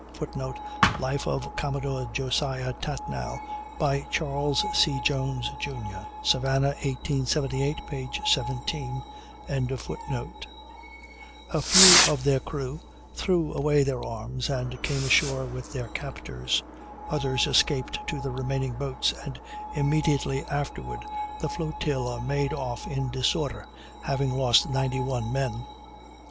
[Footnote: "Life of Commodore Josiah Tatnall," by Charles C. Jones, Jr. (Savannah, 1878), p. 17.] A few of their crew threw away their arms and came ashore with their captors; others escaped to the remaining boats, and immediately afterward the flotilla made off in disorder having lost 91 men.